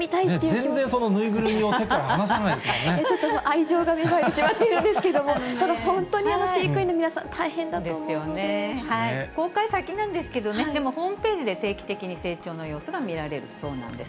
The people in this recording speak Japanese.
全然、その縫いぐるみを手かちょっと愛情が芽生えてしまってるんですけれども、ただ本当に飼育員の皆さん、大変だと思う公開、先なんですけどね、でもホームページで定期的に成長の様子が見られるそうなんです。